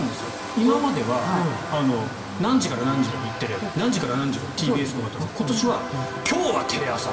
今までは何時から何時まで日テレ何時から何時はＴＢＳとかだったのに今年は今日はテレ朝